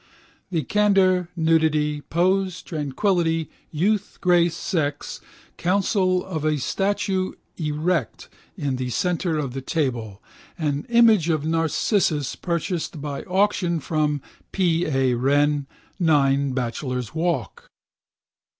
The candour, nudity, pose, tranquility, youth, grace, sex, counsel of a statue erect in the centre of the table, an image of Narcissus purchased by auction from P. A. Wren, 9 Bachelor's Walk.